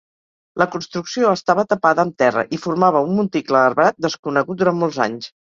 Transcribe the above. La construcció estava tapada amb terra i formava un monticle arbrat desconegut durant molts anys.